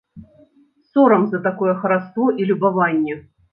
Сорам за такое хараство і любаванне.